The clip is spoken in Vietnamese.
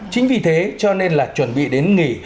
chính vì thế cho nên là chuẩn bị đến nghỉ